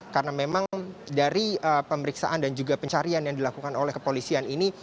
karena memang dari pemeriksaan dan juga pencarian yang dilakukan oleh kepolisian ini